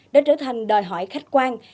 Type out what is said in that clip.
đã trở thành đòi hỏi khách quan